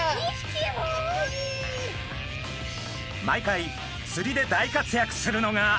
毎回釣りで大活躍するのが。